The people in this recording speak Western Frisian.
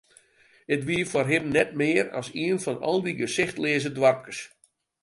It wie foar him net mear as ien fan al dy gesichtleaze doarpkes.